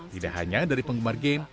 tidak hanya dari penggemar game